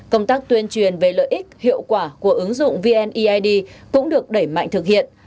công tác tuyên truyền về lợi ích hiệu quả của ứng dụng vneid cũng được đẩy mạnh thực hiện